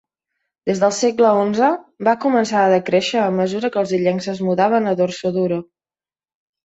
Des del segle XI, va començar a decréixer a mesura que els illencs es mudaven a Dorsoduro.